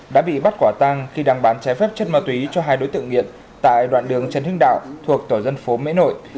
đã bị bắt quả tang khi đang bán trái phép chất ma túy cho hai đối tượng nghiện tại đoạn đường trần hưng đạo thuộc tổ dân phố mỹ nội